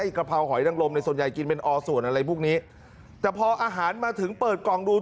กะเพราหอยนังลมในส่วนใหญ่กินเป็นอส่วนอะไรพวกนี้แต่พออาหารมาถึงเปิดกล่องดู